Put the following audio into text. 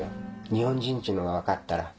日本人っていうのが分かったら。